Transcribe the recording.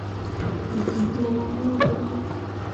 Wǝ ɗii malan wũũ gime.